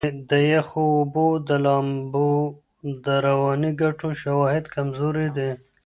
د یخو اوبو د لامبو د رواني ګټو شواهد کمزوري دي.